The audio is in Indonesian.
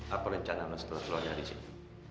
apa rencana lo setelah keluar dari sini